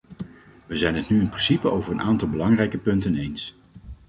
Wij zijn het nu in principe over een aantal belangrijke punten eens.